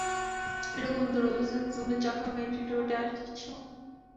এরকম দুরাবস্থাতেও তুমি চখাম এটিটিউডে আছো।